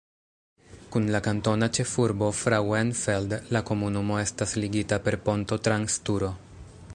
Kun la kantona ĉefurbo Frauenfeld la komunumo estas ligita per ponto trans Turo.